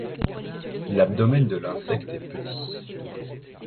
L'abdomen de l'insecte est petit.